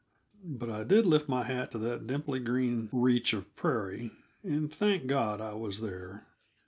But I did lift my hat to that dimply green reach of prairie, and thanked God I was there.